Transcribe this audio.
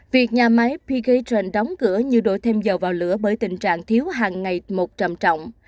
việc nhà máy pegaton đóng cửa như đổ thêm dầu vào lửa bởi tình trạng thiếu hàng ngày một trầm trọng